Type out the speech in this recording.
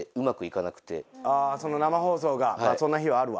あぁその生放送がまぁそんな日はあるわ。